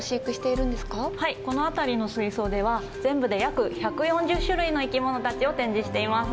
この辺りの水槽では全部で約１４０種類の生き物たちを展示しています。